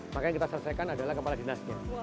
makanya kita selesaikan adalah kepala dinasnya